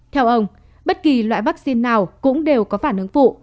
theo ông bất kỳ loại vaccine nào cũng đều có phản ứng phụ